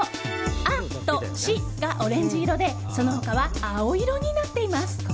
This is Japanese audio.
「あ」と「し」がオレンジ色でその他は青色になっています。